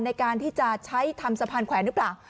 ในการที่จะใช้ทำสะพานแขวนหรือเปล่า